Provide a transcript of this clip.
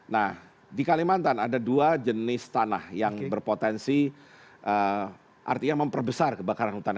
nah di kalimantan ada dua jenis tanah yang berpotensi artinya memperbesar kebakaran hutan